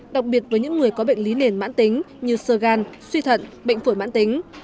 đặc biệt với những người có bệnh lý nền mãn tính như sơ gan suy thận bệnh phổi mãn tính